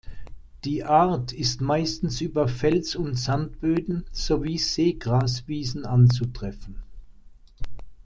Die Art ist meistens über Fels- und Sandböden, sowie Seegraswiesen anzutreffen.